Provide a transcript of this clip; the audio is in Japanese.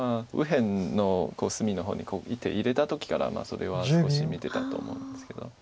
右辺の隅の方に１手入れた時からそれは少し見てたと思うんですけど。